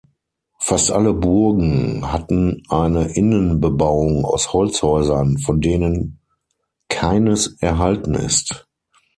Fast alle Burgen hatten eine Innenbebauung aus Holzhäusern, von denen keines erhalten ist.